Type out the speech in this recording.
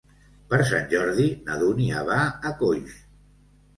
Per Sant Jordi na Dúnia va a Coix.